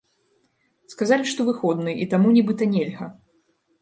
Сказалі, што выходны, і таму нібыта нельга.